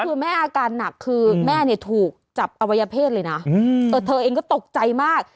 คือแม่อาการหนักคือแม่เนี่ยถูกจับอวัยเพศเลยนะเธอเองก็ตกใจมาก